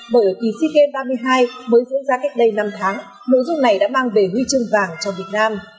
bởi ở kỳ sea games ba mươi hai mới diễn ra cách đây năm tháng nội dung này đã mang về huy chương vàng cho việt nam